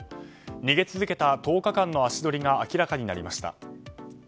逃げ続けた１０日間の足取りが明らかになりました。